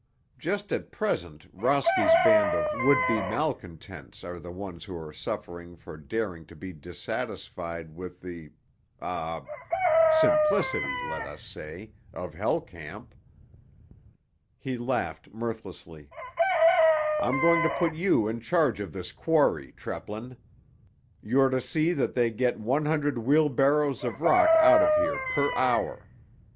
Just at present Rosky's band of would be malcontents are the ones who are suffering for daring to be dissatisfied with the—ah—simplicity, let us say, of Hell Camp." He laughed mirthlessly. "I'm going to put you in charge of this quarry, Treplin. You're to see that they get one hundred wheelbarrows of rock out of here per hour.